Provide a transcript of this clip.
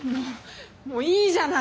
もういいじゃない。